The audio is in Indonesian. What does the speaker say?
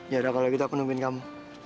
ya kalau gitu aku nungguin kamu